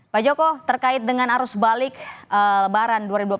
pak joko terkait dengan arus balik lebaran dua ribu dua puluh